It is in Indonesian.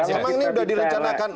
memang ini sudah direncanakan